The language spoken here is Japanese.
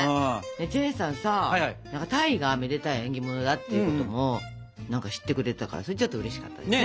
チェンさんさ鯛がめでたい縁起物だっていうことも知ってくれてたからそれちょっとうれしかったね。